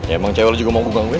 emang cewek lu juga mau gugang gue